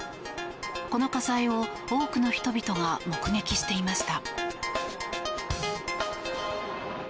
この火災を多くの人々が目撃していました。